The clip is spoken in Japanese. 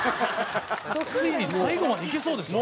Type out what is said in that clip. ついに最後までいけそうですよ